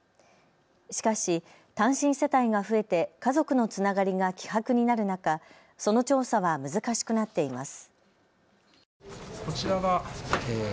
しかし単身世帯が増えて家族のつながりが希薄になる中、その調査は難しくなっています。